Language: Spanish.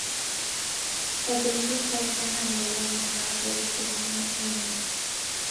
La película está basada en la novela de Nora Roberts del mismo nombre.